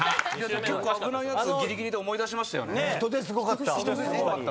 結構危ないやつぎりぎりで思い出しましたよね？